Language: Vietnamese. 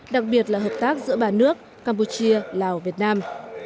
đặc biệt là hợp tác giữa ba nước campuchia lào việt nam